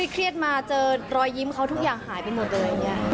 เครียดมาเจอรอยยิ้มเขาทุกอย่างหายไปหมดเลย